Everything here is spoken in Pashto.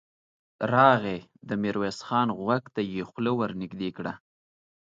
راغی، د ميرويس خان غوږ ته يې خوله ور نږدې کړه.